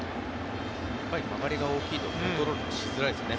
曲がりが大きいとコントロールもしづらいですよね。